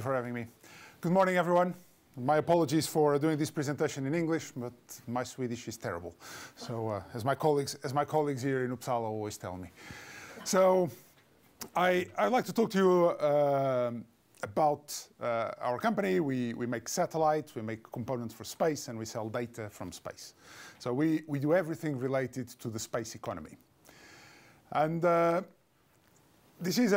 Thank you for having me. Good morning, everyone, My apologies for doing this presentation in English, but my Swedish is terrible. As my colleagues here in Uppsala always tell me. I'd like to talk to you about our company. We make satellites, we make components for space, We sell data from space. We do everything related to the space economy. This is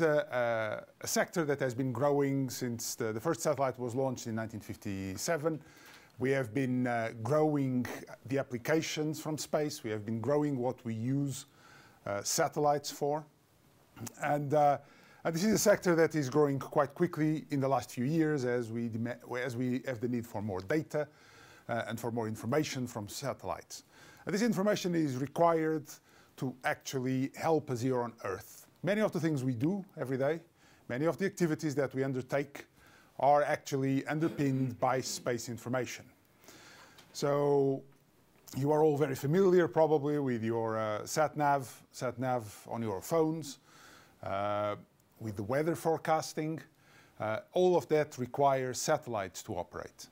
a sector that has been growing since the first satellite was launched in 1957. We have been growing the applications from space. We have been growing what we use satellites for. This is a sector that is growing quite quickly in the last few years as we have the need for more data and for more information from satellites. This information is required to actually help us here on Earth. Many of the things we do every day, many of the activities that we undertake are actually underpinned by space information. So you are all very familiar probably with your sat nav on your phones, with the weather forecasting. All of that requires satellites to operate.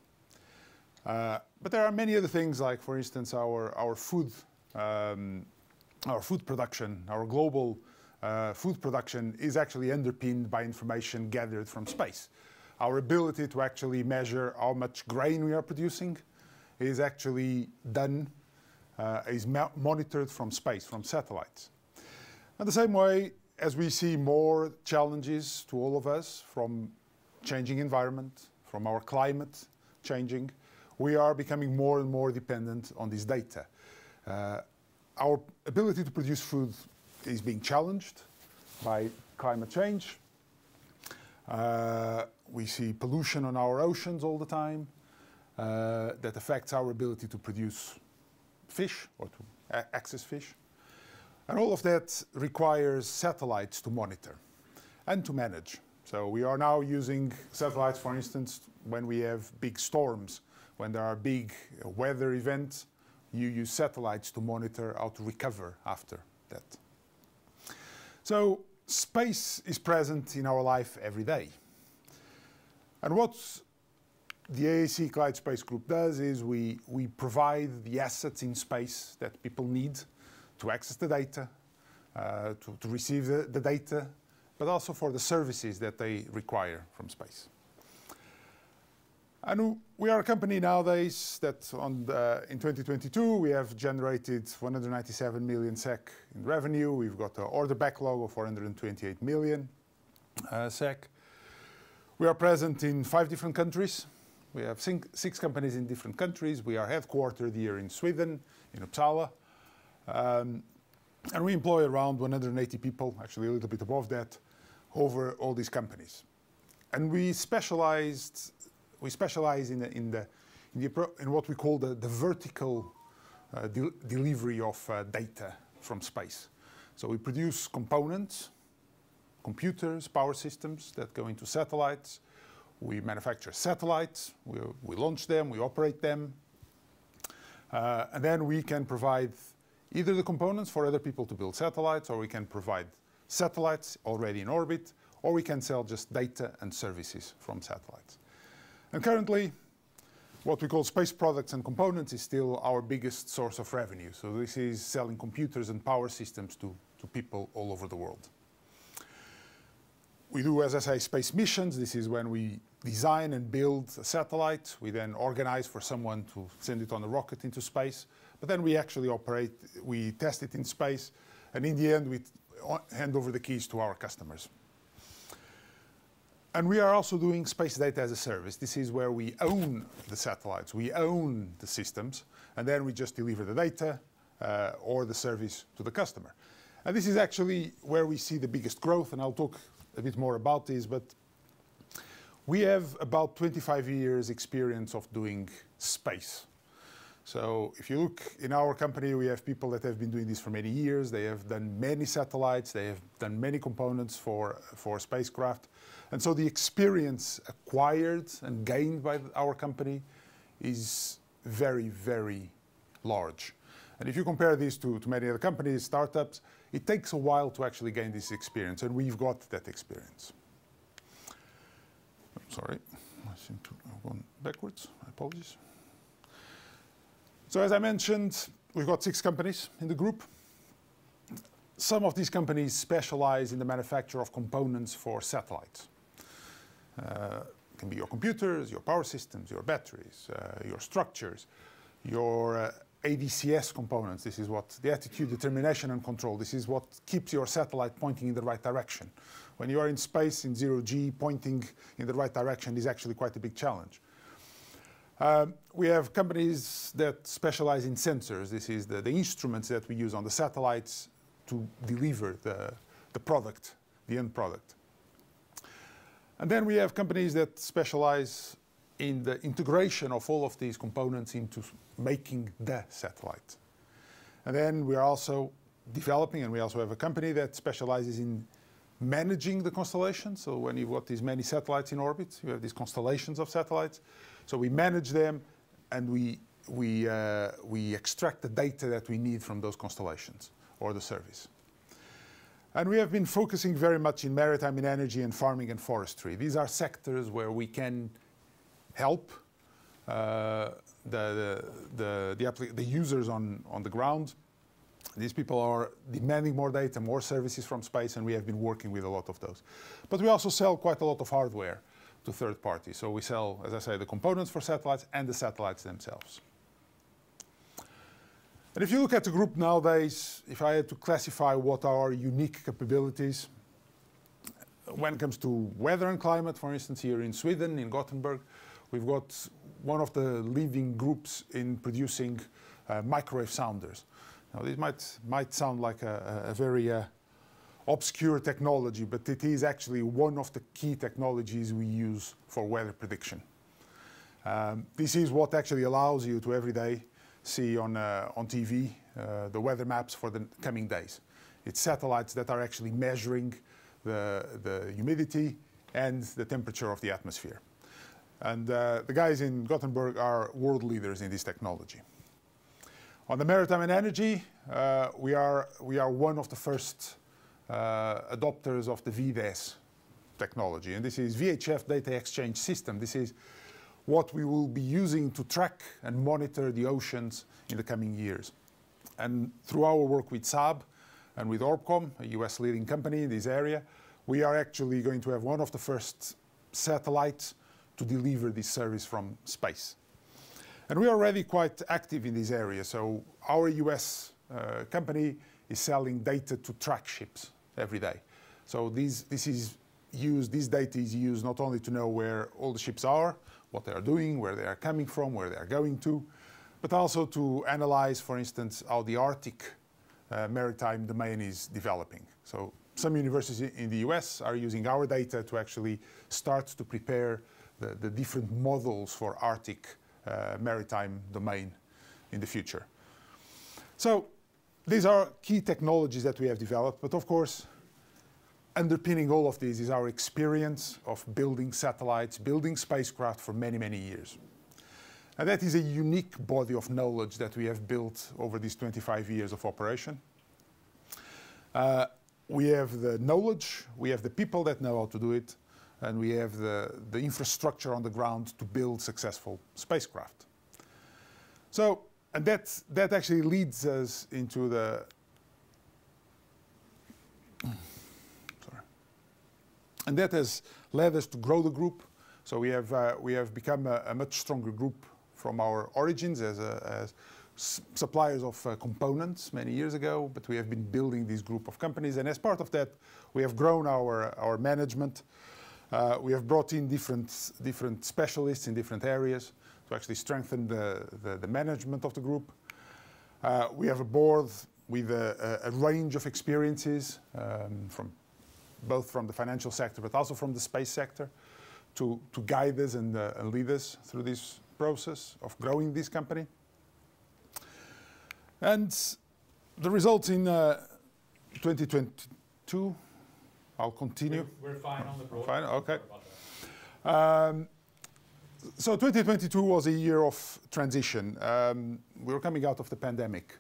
There are many other things like, for instance, our food, our food production. Our global food production is actually underpinned by information gathered from space. Our ability to actually measure how much grain we are producing is actually done, is monitored from space, from satellites. The same way, as we see more challenges to all of us from changing environment, from our climate changing, we are becoming more and more dependent on this data. Our ability to produce food is being challenged by climate change. We see pollution on our oceans all the time, that affects our ability to produce fish or to access fish. All of that requires satellites to monitor and to manage. We are now using satellites, for instance, when we have big storms. When there are big weather events, you use satellites to monitor how to recover after that. Space is present in our life every day. What the AAC Clyde Space Group does is we provide the assets in space that people need to access the data, to receive the data, but also for the services that they require from space. We are a company nowadays that in 2022, we have generated 197 million SEK in revenue. We've got an order backlog of 428 million SEK. We are present in five different countries. We have six companies in different countries. We are headquartered here in Sweden, in Uppsala. We employ around 180 people, actually a little bit above that, over all these companies. We specialize in what we call the vertical delivery of data from space. We produce components, computers, power systems that go into satellites. We manufacture satellites. We launch them, we operate them. We can provide either the components for other people to build satellites, or we can provide satellites already in orbit, or we can sell just data and services from satellites. Currently, what we call space products and components is still our biggest source of revenue. This is selling computers and power systems to people all over the world. We do, as I say, space missions. This is when we design and build a satellite. We then organize for someone to send it on a rocket into space. We actually operate, we test it in space, and in the end, we hand over the keys to our customers. We are also doing Space Data as a Service. This is where we own the satellites, we own the systems, then we just deliver the data, or the service to the customer. This is actually where we see the biggest growth, and I'll talk a bit more about this. We have about 25 years experience of doing space. If you look in our company, we have people that have been doing this for many years. They have done many satellites. They have done many components for spacecraft. The experience acquired and gained by our company is very, very large. If you compare this to many other companies, startups, it takes a while to actually gain this experience, and we've got that experience. I'm sorry. I seem to have gone backwards. I apologize. As I mentioned, we've got six companies in the group. Some of these companies specialize in the manufacture of components for satellites. It can be your computers, your power systems, your batteries, your structures, your ADCS components. This is what the attitude determination and control. This is what keeps your satellite pointing in the right direction. When you are in space in zero G, pointing in the right direction is actually quite a big challenge. We have companies that specialize in sensors. This is the instruments that we use on the satellites to deliver the product, the end product. Then we have companies that specialize in the integration of all of these components into making the satellite. Then we are also developing, and we also have a company that specializes in managing the constellation. When you've got these many satellites in orbit, you have these constellations of satellites. We manage them, and we extract the data that we need from those constellations or the service. We have been focusing very much in maritime and energy and farming and forestry. These are sectors where we can help the users on the ground. These people are demanding more data, more services from space, and we have been working with a lot of those. We also sell quite a lot of hardware to third parties. We sell, as I say, the components for satellites and the satellites themselves. If you look at the group nowadays, if I had to classify what are our unique capabilities when it comes to weather and climate, for instance, here in Sweden, in Gothenburg, we've got one of the leading groups in producing microwave sounders. Now, this might sound like a very obscure technology, but it is actually one of the key technologies we use for weather prediction. This is what actually allows you to every day see on TV the weather maps for the coming days. It's satellites that are actually measuring the humidity and the temperature of the atmosphere. The guys in Gothenburg are world leaders in this technology. On the maritime and energy, we are one of the first adopters of the VDES technology, and this is VHF Data Exchange System. This is what we will be using to track and monitor the oceans in the coming years. Through our work with Saab and with ORBCOMM, a U.S. leading company in this area, we are actually going to have one of the first satellites to deliver this service from space. We are already quite active in this area, so our U.S. company is selling data to track ships every day. This data is used not only to know where all the ships are, what they are doing, where they are coming from, where they are going to, but also to analyze, for instance, how the Arctic maritime domain is developing. Some universities in the U.S. are using our data to actually start to prepare the different models for Arctic maritime domain in the future. These are key technologies that we have developed, but of course, underpinning all of this is our experience of building satellites, building spacecraft for many, many years. That is a unique body of knowledge that we have built over these 25 years of operation. We have the knowledge, we have the people that know how to do it, and we have the infrastructure on the ground to build successful spacecraft. That actually leads us into the... Sorry. That has led us to grow the group. We have become a much stronger group from our origins as suppliers of components many years ago, but we have been building this group of companies. As part of that, we have grown our management. We have brought in different specialists in different areas to actually strengthen the management of the group. We have a board with a range of experiences, both from the financial sector but also from the space sector to guide us and lead us through this process of growing this company. The results in 2022. I'll continue. We're fine on the broad. Fine. Okay. Sorry about that. 2022 was a year of transition. We were coming out of the pandemic.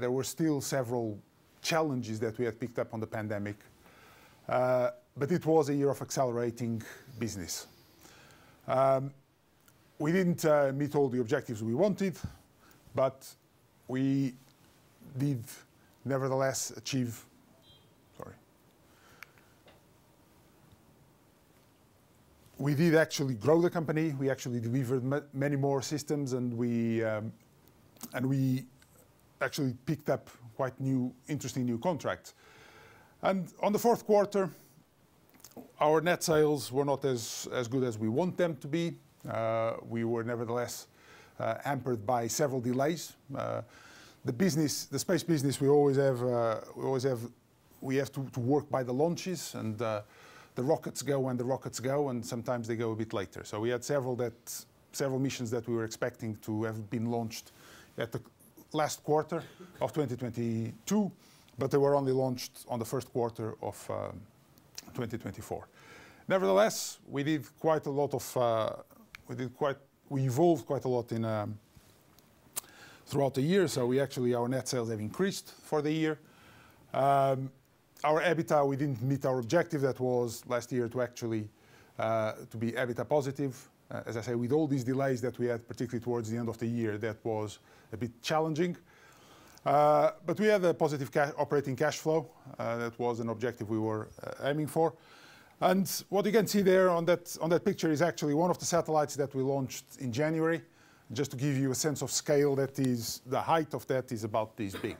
There were still several challenges that we had picked up on the pandemic. It was a year of accelerating business. We didn't meet all the objectives we wanted. We did nevertheless. Sorry. We did actually grow the company. We actually delivered many more systems, and we actually picked up quite new, interesting new contracts. On the fourth quarter, our net sales were not as good as we want them to be. We were nevertheless hampered by several delays. The space business, we always have to work by the launches, and the rockets go when the rockets go, and sometimes they go a bit later. We had several missions that we were expecting to have been launched at the last quarter of 2022, but they were only launched on the first quarter of 2024. Nevertheless, we evolved quite a lot in throughout the year, our net sales have increased for the year. Our EBITDA, we didn't meet our objective. That was last year to actually be EBITDA positive. As I say, with all these delays that we had, particularly towards the end of the year, that was a bit challenging. We had a positive operating cash flow. That was an objective we were aiming for. What you can see there on that picture is actually one of the satellites that we launched in January. Just to give you a sense of scale, the height of that is about this big.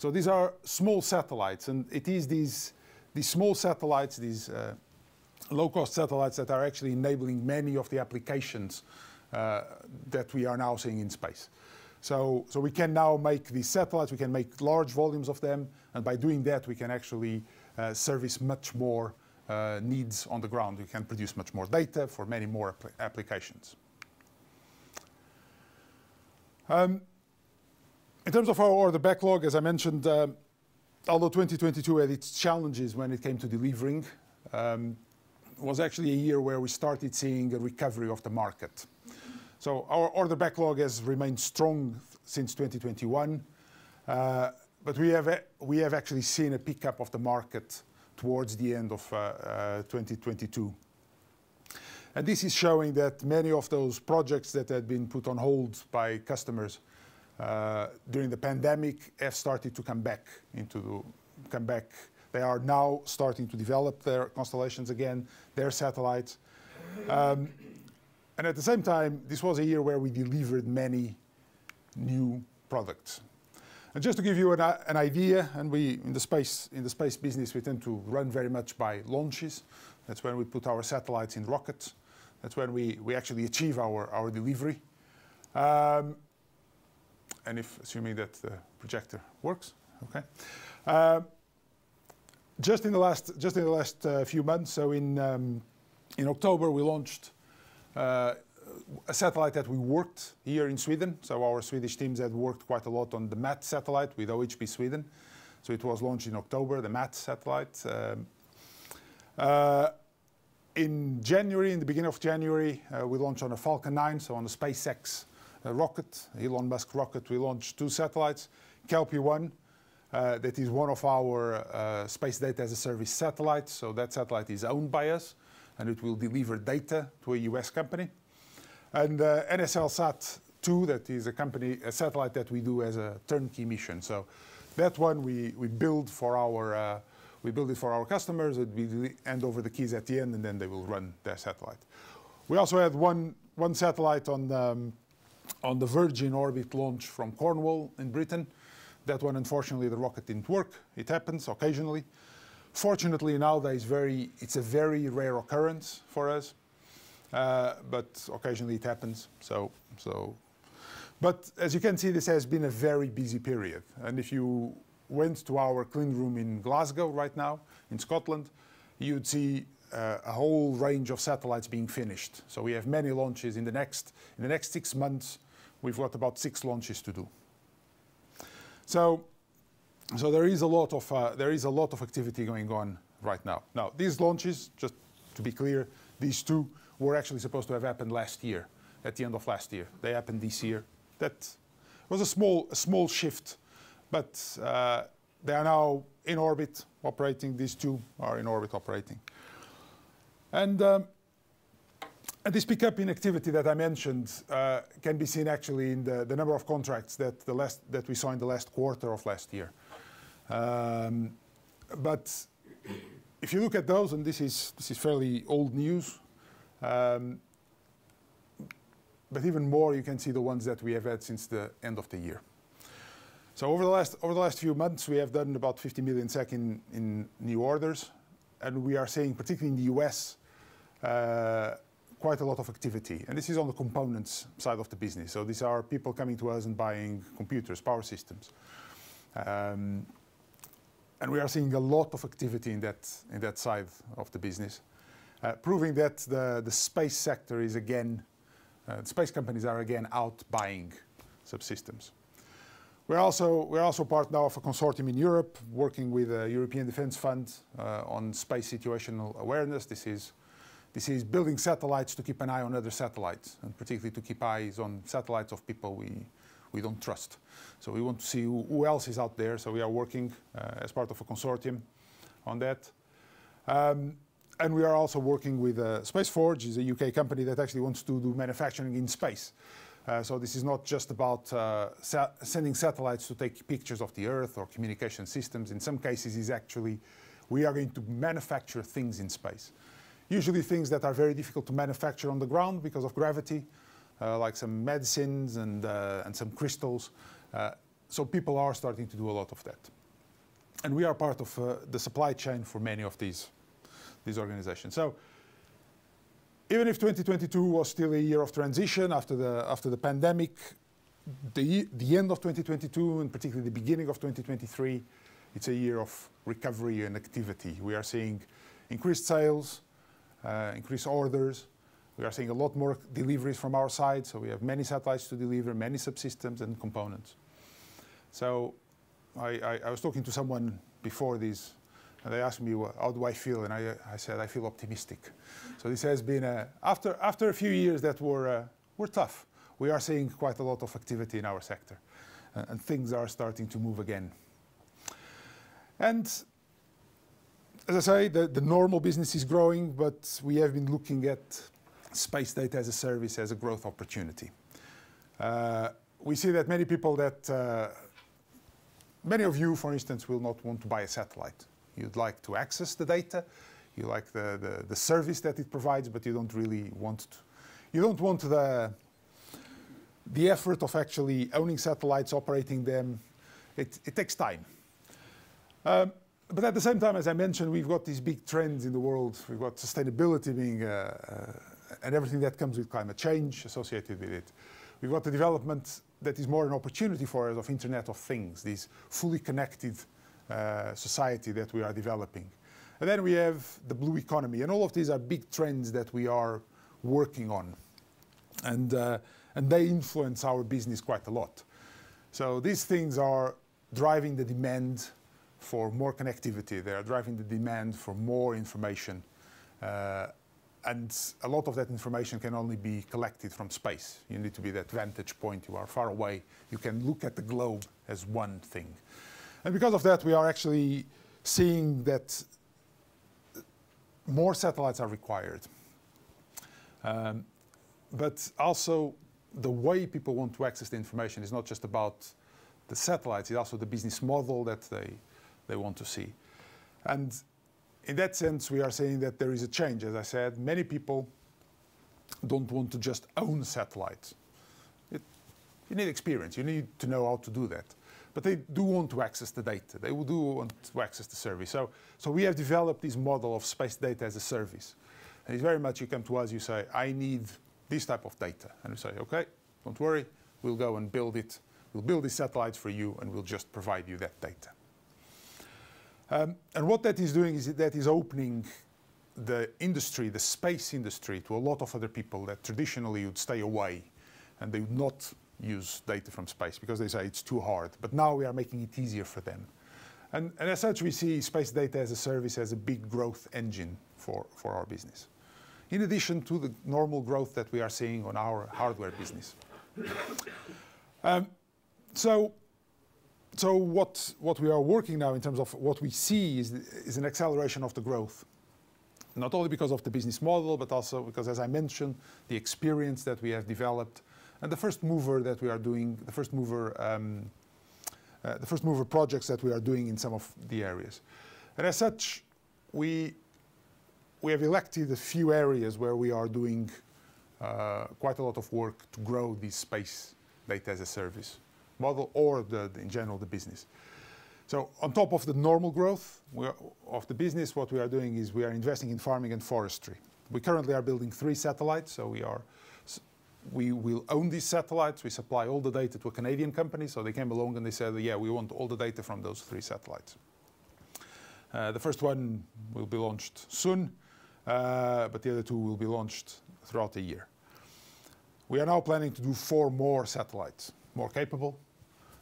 These are small satellites, and it is these small satellites, these low-cost satellites that are actually enabling many of the applications that we are now seeing in space. We can now make these satellites, we can make large volumes of them, and by doing that, we can actually service much more needs on the ground. We can produce much more data for many more applications. In terms of our order backlog, as I mentioned, although 2022 had its challenges when it came to delivering, it was actually a year where we started seeing a recovery of the market. Our order backlog has remained strong since 2021. We have actually seen a pickup of the market towards the end of 2022. This is showing that many of those projects that had been put on hold by customers, during the pandemic have started to come back. They are now starting to develop their constellations again, their satellites. At the same time, this was a year where we delivered many new products. Just to give you an idea, in the space, in the space business, we tend to run very much by launches. That's when we put our satellites in rockets. That's when we actually achieve our delivery. If assuming that the projector works. Okay. Just in the last few months, so in October, we launched a satellite that we worked here in Sweden. Our Swedish teams had worked quite a lot on the MATS satellite with OHB Sweden. It was launched in October, the MATS satellite. In January, in the beginning of January, we launched on a Falcon-9, on a SpaceX rocket, Elon Musk rocket. We launched two satellites, Kelpie-1, that is one of our Space Data as a Service satellites. That satellite is owned by us, and it will deliver data to a U.S. company. NSLSat-2, that is a satellite that we do as a turnkey mission. That one we build for our, we build it for our customers, and we hand over the keys at the end, and then they will run their satellite. We also had one satellite on the Virgin Orbit launch from Cornwall in Britain. That one, unfortunately, the rocket didn't work. It happens occasionally. Fortunately, nowadays, it's a very rare occurrence for us, but occasionally it happens, so. As you can see, this has been a very busy period. If you went to our clean room in Glasgow right now, in Scotland, you'd see a whole range of satellites being finished. We have many launches in the next six months, we've got about six launches to do. There is a lot of activity going on right now. Now, these launches, just to be clear, these two were actually supposed to have happened last year, at the end of last year. They happened this year. That was a small shift. They are now in orbit operating. These two are in orbit operating. This pickup in activity that I mentioned can be seen actually in the number of contracts that we saw in the last quarter of last year. If you look at those, and this is, this is fairly old news, even more, you can see the ones that we have had since the end of the year. Over the last few months, we have done about 50 million in new orders, and we are seeing, particularly in the U.S., quite a lot of activity. This is on the components side of the business. These are people coming to us and buying computers, power systems. We are seeing a lot of activity in that, in that side of the business, proving that the space sector is again, space companies are again out buying subsystems. We're also part now of a consortium in Europe working with a European defense fund on space situational awareness. This is building satellites to keep an eye on other satellites, and particularly to keep eyes on satellites of people we don't trust. We want to see who else is out there. We are working as part of a consortium on that. We are also working with Space Forge is a UK company that actually wants to do manufacturing in space. This is not just about sending satellites to take pictures of the Earth or communication systems. In some cases, it's actually we are going to manufacture things in space, usually things that are very difficult to manufacture on the ground because of gravity, like some medicines and some crystals. People are starting to do a lot of that. We are part of the supply chain for many of these organizations. Even if 2022 was still a year of transition after the pandemic, the end of 2022, and particularly the beginning of 2023, it's a year of recovery and activity. We are seeing increased sales, increased orders. We are seeing a lot more deliveries from our side, so we have many satellites to deliver, many subsystems and components. I was talking to someone before this, and they asked me, "Well, how do I feel?" I said, "I feel optimistic." This has been after a few years that were tough, we are seeing quite a lot of activity in our sector, and things are starting to move again. As I say, the normal business is growing, but we have been looking at Space Data as a Service, as a growth opportunity. We see that many people that many of you, for instance, will not want to buy a satellite. You'd like to access the data. You like the service that it provides, but you don't really want to. You don't want the effort of actually owning satellites, operating them. It takes time. At the same time, as I mentioned, we've got these big trends in the world. We've got sustainability being and everything that comes with climate change associated with it. We've got the development that is more an opportunity for us of Internet of Things, this fully connected society that we are developing. Then we have the blue economy, and all of these are big trends that we are working on. They influence our business quite a lot. These things are driving the demand-For more connectivity. They are driving the demand for more information. A lot of that information can only be collected from space. You need to be that vantage point. You are far away. You can look at the globe as one thing. Because of that, we are actually seeing that more satellites are required. The way people want to access the information is not just about the satellites, it's also the business model that they want to see. In that sense, we are saying that there is a change. As I said, many people don't want to just own satellites. You need experience. You need to know how to do that. They do want to access the data. They do want to access the service. We have developed this model of Space Data as a Service, and it's very much you come to us, you say, "I need this type of data." We say, "Okay, don't worry. We'll go and build it. We'll build the satellites for you, and we'll just provide you that data. What that is doing is that is opening the industry, the space industry, to a lot of other people that traditionally would stay away and they would not use data from space because they say it's too hard. Now we are making it easier for them. As such, we see Space Data as a Service, as a big growth engine for our business, in addition to the normal growth that we are seeing on our hardware business. What we are working now in terms of what we see is an acceleration of the growth, not only because of the business model, but also because, as I mentioned, the experience that we have developed and the first mover projects that we are doing in some of the areas. As such, we have elected a few areas where we are doing quite a lot of work to grow this Space Data as a Service model or, in general, the business. On top of the normal growth of the business, what we are doing is we are investing in farming and forestry. We currently are building three satellites, so we will own these satellites. We supply all the data to a Canadian company. They came along and they said, "Yeah, we want all the data from those three satellites." The first one will be launched soon, but the other two will be launched throughout the year. We are now planning to do four more satellites, more capable,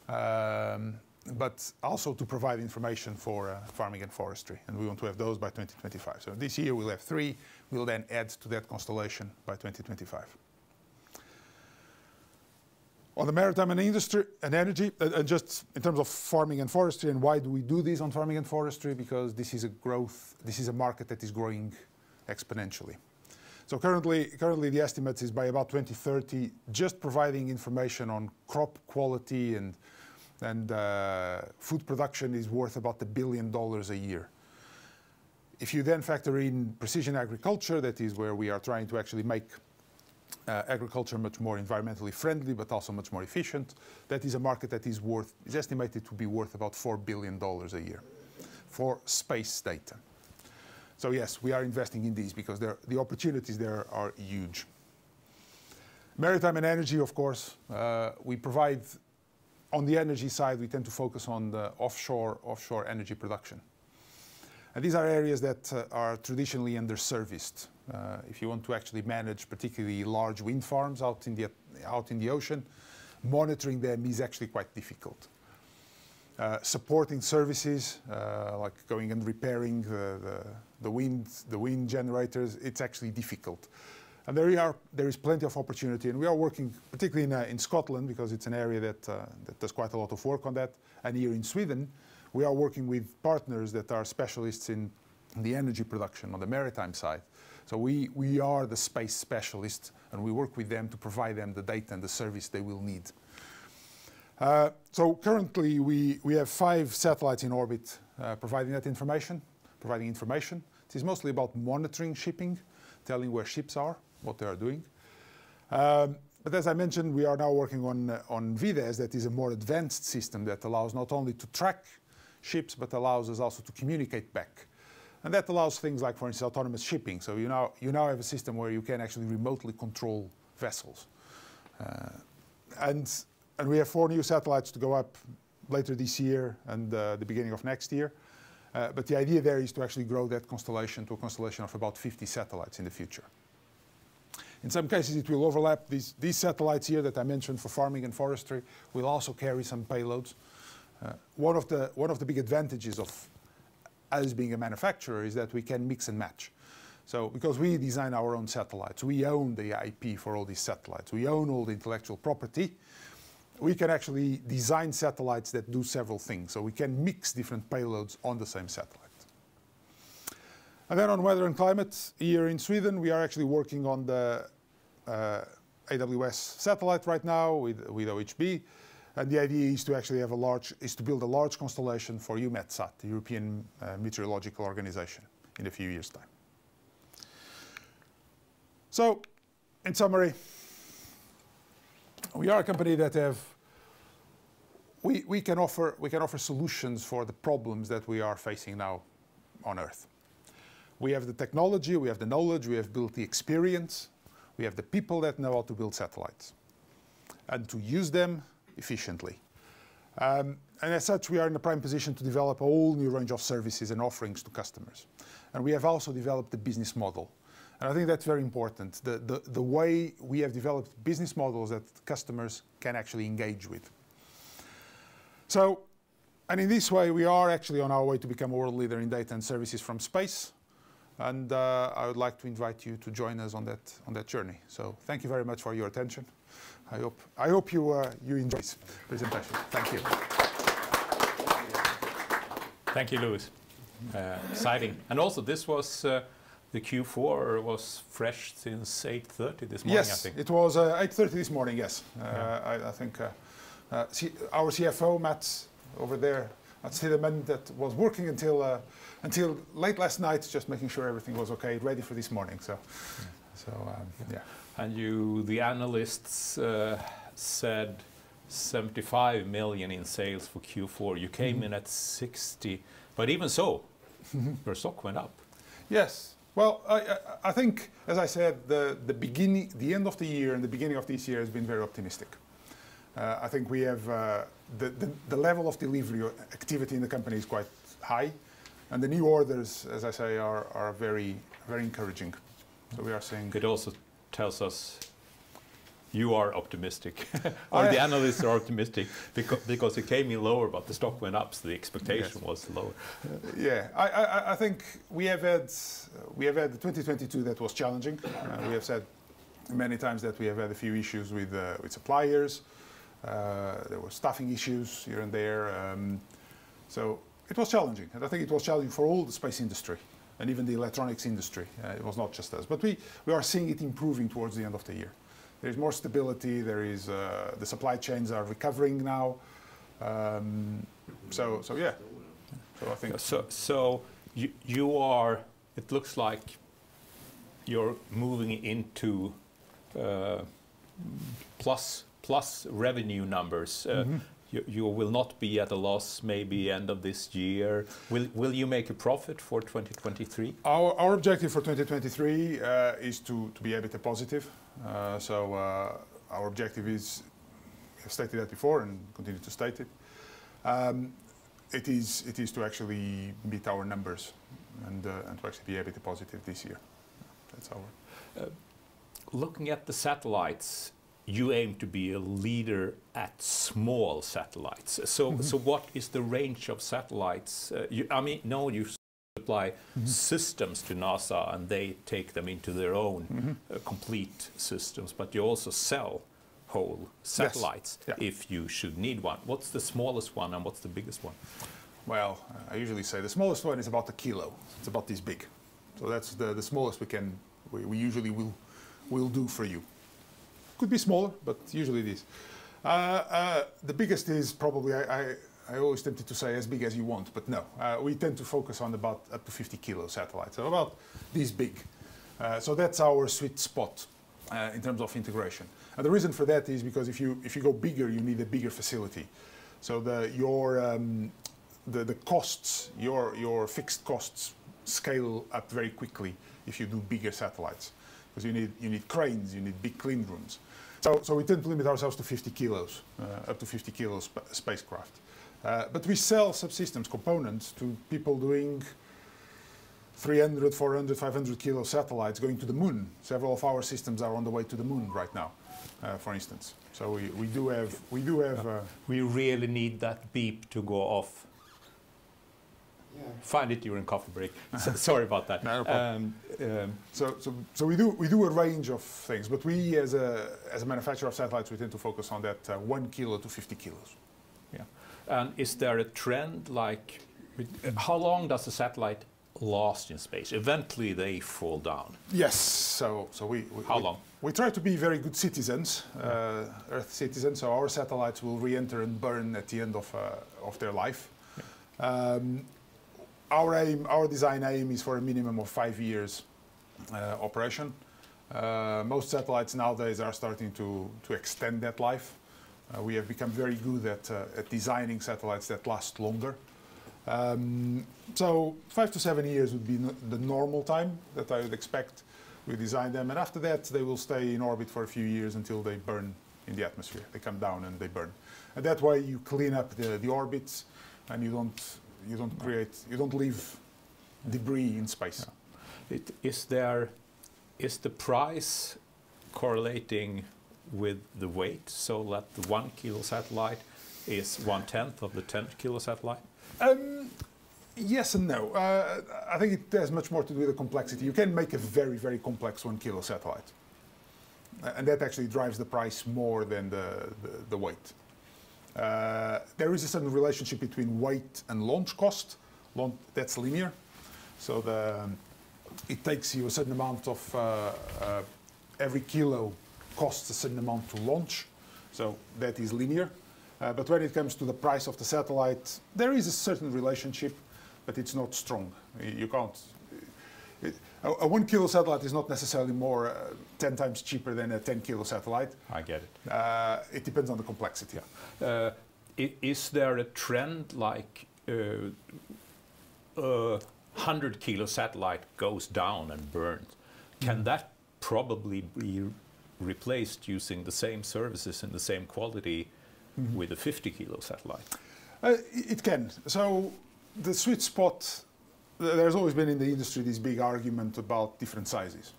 but also to provide information for farming and forestry, and we want to have those by 2025. This year we'll have three. We'll add to that constellation by 2025. On the maritime and energy, just in terms of farming and forestry, and why do we do this on farming and forestry? Because this is a market that is growing exponentially. Currently, the estimate is by about 2030, just providing information on crop quality and food production is worth about $1 billion a year. You then factor in precision agriculture, that is where we are trying to actually make agriculture much more environmentally friendly, but also much more efficient, that is a market that is estimated to be worth about $4 billion a year for space data. Yes, we are investing in these because the opportunities there are huge. Maritime and energy, of course, on the energy side, we tend to focus on offshore energy production. These are areas that are traditionally underserviced. If you want to actually manage particularly large wind farms out in the ocean, monitoring them is actually quite difficult. Supporting services, like going and repairing the wind generators, it's actually difficult. There is plenty of opportunity, and we are working particularly in Scotland because it's an area that does quite a lot of work on that. Here in Sweden, we are working with partners that are specialists in the energy production on the maritime side. We are the space specialists, and we work with them to provide them the data and the service they will need. Currently we have five satellites in orbit, providing that information. It is mostly about monitoring shipping, telling where ships are, what they are doing. As I mentioned, we are now working on VDES. That is a more advanced system that allows not only to track ships, but allows us also to communicate back. That allows things like, for instance, autonomous shipping. You now have a system where you can actually remotely control vessels. We have four new satellites to go up later this year and the beginning of next year. The idea there is to actually grow that constellation to a constellation of about 50 satellites in the future. In some cases, it will overlap. These satellites here that I mentioned for farming and forestry will also carry some payloads. One of the big advantages of us being a manufacturer is that we can mix and match. Because we design our own satellites, we own the IP for all these satellites. We own all the intellectual property. We can actually design satellites that do several things, so we can mix different payloads on the same satellite. On weather and climate, here in Sweden, we are actually working on the AWS satellite right now with OHB. The idea is to actually build a large constellation for EUMETSAT, the European meteorological organization, in a few years' time. In summary, we can offer solutions for the problems that we are facing now on Earth. We have the technology, we have the knowledge, we have built the experience, we have the people that know how to build satellites and to use them efficiently. As such, we are in a prime position to develop a whole new range of services and offerings to customers. We have also developed a business model. I think that's very important. The way we have developed business models that customers can actually engage with. In this way, we are actually on our way to become a world leader in data and services from space. I would like to invite you to join us on that journey. Thank you very much for your attention. I hope you enjoyed this presentation. Thank you. Thank you, Luis. Exciting. This was the Q4 was fresh since 8:30 this morning, I think. Yes. It was 8:30 this morning, yes. I think our CFO, Mats, over there at Thideman that was working until late last night just making sure everything was okay, ready for this morning. Yeah. You, the analysts, said 75 million in sales for Q4. You came in at 60 million. Even your stock went up. Yes. Well, I think, as I said, the end of the year and the beginning of this year has been very optimistic. I think we have the level of delivery or activity in the company is quite high, and the new orders, as I say, are very, very encouraging. We are seeing. It also tells us you are optimistic. I- The analysts are optimistic because it came in lower, but the stock went up, so the expectation. Yes was lower. Yeah. I think we have had 2022 that was challenging. We have said many times that we have had a few issues with suppliers. There were staffing issues here and there. It was challenging, and I think it was challenging for all the space industry and even the electronics industry. It was not just us. We are seeing it improving towards the end of the year. There is more stability. There is the supply chains are recovering now. Yeah. You are, it looks like you're moving into plus plus revenue numbers. Mm-hmm. You will not be at a loss maybe end of this year. Will you make a profit for 2023? Our objective for 2023 is to be EBITDA positive. Our objective is, I stated that before and continue to state it is to actually beat our numbers and to actually be EBITDA positive this year. Looking at the satellites, you aim to be a leader at small satellites. Mm-hmm. What is the range of satellites? I mean, know you supply systems to NASA, and they take them into their own. Mm-hmm... complete systems, but you also sell whole satellites. Yes. Yeah. if you should need one. What's the smallest one and what's the biggest one? Well the smallest one is about a kilo. It's about this big. So that's the smallest we can—we usually will do for you. Could be smaller, but usually it is. The biggest is probably—I always tempted to say as big as you want, but no. We tend to focus on about up to 50 kilo satellites. So about this big. So that's our sweet spot in terms of integration. And the reason for that is because if you, if you go bigger, you need a bigger facility. So your the costs, your fixed costs scale up very quickly if you do bigger satellites 'cause you need, you need cranes, you need big clean rooms. So we tend to limit ourselves to 50 kilos, up to 50 kilos spacecraft We sell subsystems, components to people doing 300, 400, 500 kilo satellites going to the moon. Several of our systems are on the way to the moon right now, for instance. We do have. We really need that beep to go off. Yeah. Find it during coffee break. Sorry about that. No problem. Um, um- We do a range of things, but we as a manufacturer of satellites, we tend to focus on that, 1 kilo - 50 kilos. Yeah. How long does the satellite last in space? Eventually, they fall down. Yes. We How long? We try to be very good citizens, earth citizens. Our satellites will reenter and burn at the end of their life. Our aim, our design aim is for a minimum of five years operation. Most satellites nowadays are starting to extend that life. We have become very good at designing satellites that last longer. five-seven years would be the normal time that I would expect we design them, and after that, they will stay in orbit for a few years until they burn in the atmosphere. They come down, and they burn. That way, you clean up the orbits, and you don't create- Right... you don't leave debris in space. Yeah. Is the price correlating with the weight, so that the one kilo satellite is one tenth of the 10 kilo satellite? Yes and no. I think it has much more to do with the complexity. You can make a very, very complex one kilo satellite, and that actually drives the price more than the weight. There is a certain relationship between weight and launch cost. That's linear. Every kilo costs a certain amount to launch, so that is linear. When it comes to the price of the satellite, there is a certain relationship, but it's not strong. You can't. A one kilo satellite is not necessarily more 10 times cheaper than a 10 kilo satellite. I get it. It depends on the complexity. Yeah. Is there a trend like, a 100 kilo satellite goes down and burns- Mm... can that probably be replaced using the same services and the same quality-. Mm-hmm... with a 50 kilo satellite? It, it can. The sweet spot. There's always been in the industry this big argument about different sizes.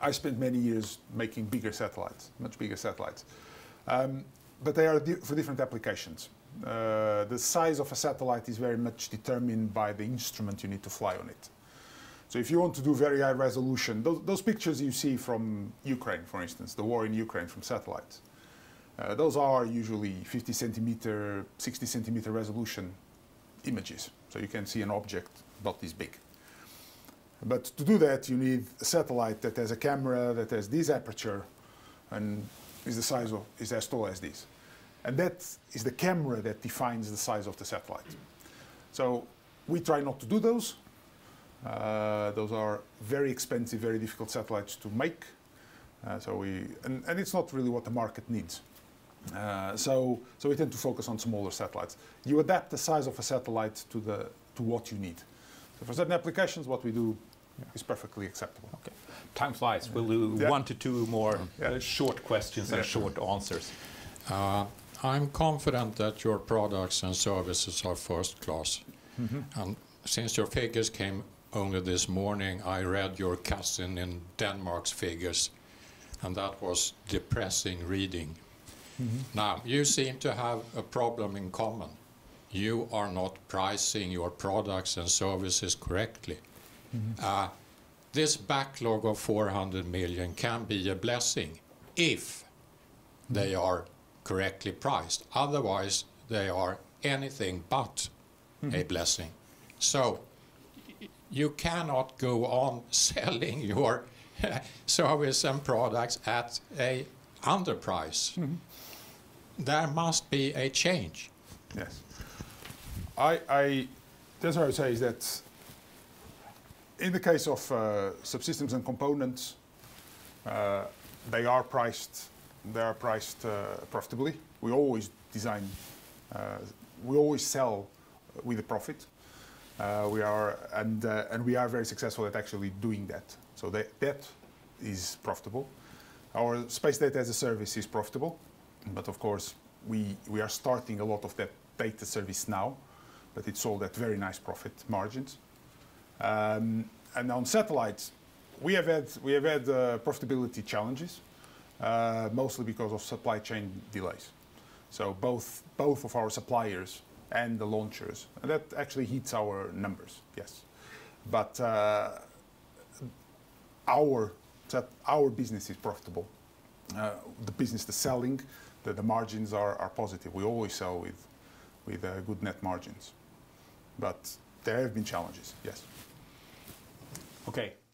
I spent many years making bigger satellites, much bigger satellites. They are for different applications. The size of a satellite is very much determined by the instrument you need to fly on it. If you want to do very high resolution, those pictures you see from Ukraine, for instance, the war in Ukraine from satellites, those are usually 50 centimeter, 60 centimeter resolution images, you can see an object about this big. To do that, you need a satellite that has a camera that has this aperture and is as tall as this. That is the camera that defines the size of the satellite. We try not to do those. Those are very expensive, very difficult satellites to make. It's not really what the market needs. We tend to focus on smaller satellites. You adapt the size of a satellite to what you need. For certain applications, what we do is perfectly acceptable. Okay. Time flies. Yeah. We'll do one to two more- Yeah... short questions. Yeah, sure.... and short answers. I'm confident that your products and services are first class. Mm-hmm. Since your figures came only this morning, I read your Cassian in Denmark's figures, and that was depressing reading. Mm-hmm. You seem to have a problem in common. You are not pricing your products and services correctly. Mm-hmm. This backlog of 400 million can be a blessing if they are correctly priced. Otherwise, they are anything but. Mm-hmm a blessing. You cannot go on selling your services and products at a underprice. Mm-hmm. There must be a change. Yes. That's what I would say is that in the case of subsystems and components, they are priced profitably. We always sell with a profit. We are very successful at actually doing that. That is profitable. Our Space Data as a Service is profitable. Of course, we are starting a lot of that data service now, but it's all at very nice profit margins. On satellites, we have had profitability challenges, mostly because of supply chain delays. Both of our suppliers and the launchers. That actually hits our numbers. Yes. Our business is profitable. The business, the selling, the margins are positive. We always sell with good net margins. There have been challenges, yes. Okay.